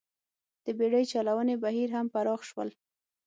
د بېړۍ چلونې بهیر هم پراخ شول